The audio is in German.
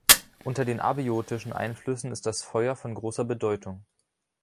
Unter den abiotischen Einflüssen ist das Feuer von großer Bedeutung.